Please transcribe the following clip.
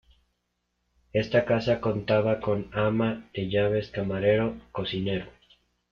Esta casa contaba con ama de llaves, camarero, cocinero...